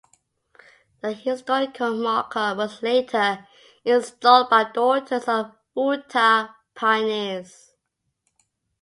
A historical marker was later installed by the Daughters of Utah Pioneers.